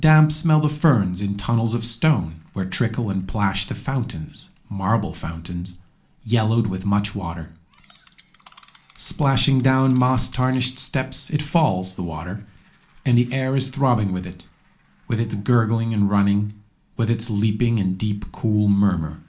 Damp smell the ferns in tunnels of stone, Where trickle and plash the fountains, Marble fountains, yellowed with much water. Splashing down moss tarnished steps It falls, the water; And the air is throbbing with it. With its gurgling and running. With its leaping, and deep, cool murmur.